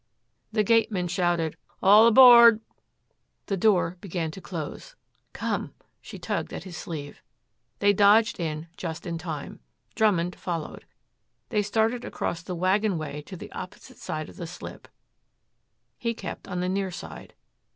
The gateman shouted "All aboard!" The door began to close. "Come," she tugged at his sleeve. They dodged in just in time. Drummond followed. They started across the wagonway to the opposite side of the slip. He kept on the near side.